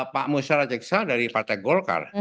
pak musyara jeksa dari partai golkar